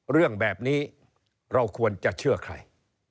เรื่องแบบนี้เราควรจะเชื่อใคร